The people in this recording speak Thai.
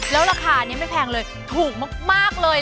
แล้วราคานี้ไม่แพงเลยถูกมากเลย